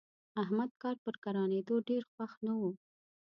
احمد کار په ګرانېدو ډېر خوښ نه وو.